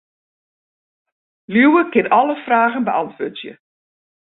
Liuwe kin alle fragen beäntwurdzje.